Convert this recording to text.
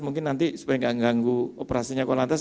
mungkin nanti supaya enggak mengganggu operasinya kuala lantas